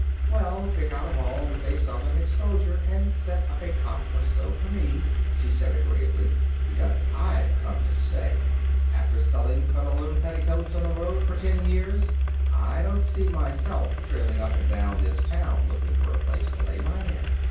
"Well, pick out a hall with a southern exposure and set up a cot or so for me," she said, agreeably; "because I've come to stay. After selling Featherloom Petticoats on the road for ten years I don't see myself trailing up and down this town looking for a place to lay my head.